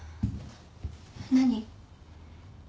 何？